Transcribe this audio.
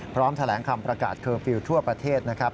พร้อมแถลงคำประกาศเคอร์ฟิลล์ทั่วประเทศนะครับ